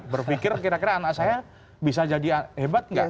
berpikir kira kira anak saya bisa jadi hebat nggak